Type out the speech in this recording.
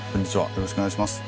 よろしくお願いします。